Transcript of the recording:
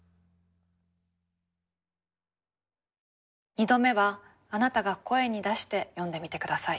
２度目はあなたが声に出して読んでみて下さい。